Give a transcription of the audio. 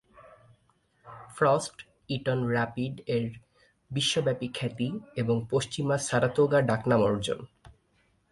Frost, Eaton Rapid এর বিশ্বব্যাপী খ্যাতি এবং পশ্চিমা সারাতোগা ডাকনাম অর্জন।